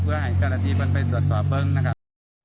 เพื่อให้จริงมันไปสวดสอบเบิ้งนะครับ